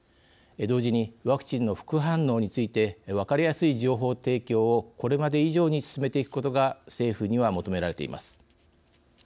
同時にワクチンの副反応について分かりやすい情報提供をこれまで以上に進めていくことが政府には求められています。